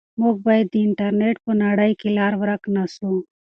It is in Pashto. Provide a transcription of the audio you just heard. موږ باید د انټرنیټ په نړۍ کې لار ورک نه سو.